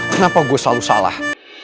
kenapa gua selalu salah